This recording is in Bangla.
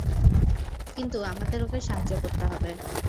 কিন্তু আমাদের ওকে সাহায্য করতে হবে।